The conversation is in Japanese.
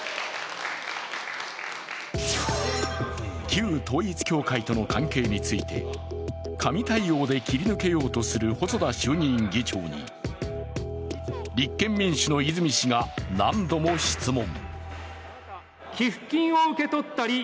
旧統一教会との関係について紙対応で切り抜けようとする細田衆院議長に立憲民主の泉氏が何度も質問。